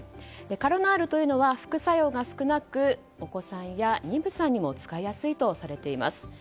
カロナールというのは副作用が少なくお子さんや妊婦さんにも使いやすいとされています。